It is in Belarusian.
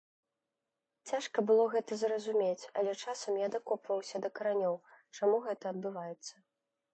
Цяжка было гэта зразумець, але часам я дакопваўся да каранёў, чаму гэта адбываецца.